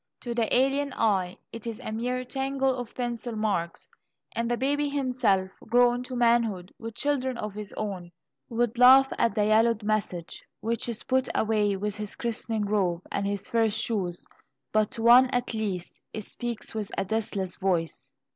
To the alien eye, it is a mere tangle of pencil marks, and the baby himself, grown to manhood, with children of his own, would laugh at the yellowed message, which is put away with his christening robe and his first shoes, but to one, at least, it speaks with a deathless voice.